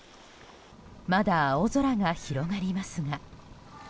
まだ青空が広がりますが。